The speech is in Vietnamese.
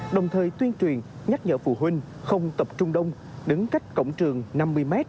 đồng thời tuyên truyền nhắc nhở phụ huynh không tập trung đông đứng cách cổng trường năm mươi m